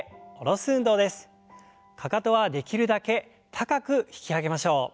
かかとはできるだけ高く引き上げましょう。